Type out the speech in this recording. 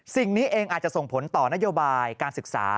สิ่งนี้เองอาจจะส่งผลต่อนโยบายการศึกษา